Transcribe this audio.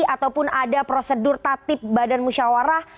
ataupun ada prosedur tatip badan musyawarah